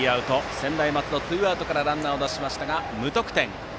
専大松戸、ツーアウトからランナーを出しましたが無得点。